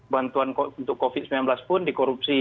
bantuan untuk covid sembilan belas pun dikorupsi